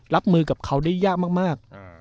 รับมือกับเขาได้ยากมาก